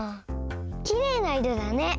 きれいないろだね。